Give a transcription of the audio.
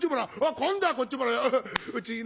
今度はこっちもらうよ」。